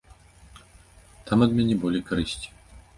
Там ад мяне болей карысці.